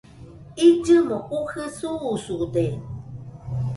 illɨmo jujɨ susude